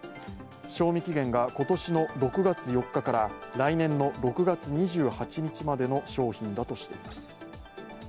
賞味期限が今年の６月４日から来年の６月２８日までの商品だとしています。